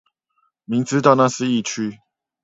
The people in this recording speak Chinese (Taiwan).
明知道那是疫區